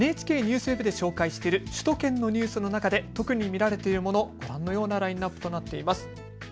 ＮＨＫＮＥＷＳＷＥＢで紹介している首都圏のニュースの中で特に見られているもの、ご覧のようなラインナップとなっています。